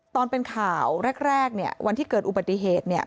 ตอนเป็นข่าวแรกวันที่เกิดอุบัติเหตุ